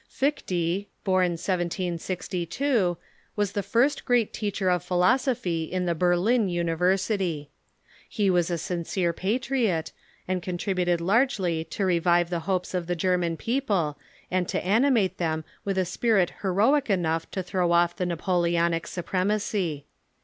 Fichte, born 1762, was the first great teacher of philosophy in the Berlin University. He was a sincere pati'iot, and con Fichte tributed largely to revive the hopes of the German Scheiiing, people, and to animate them with a sjjirit heroic enough ^^^ to throw off the Napoleonic supremacy.